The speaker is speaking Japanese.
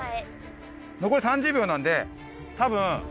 残り３０秒なんでたぶん。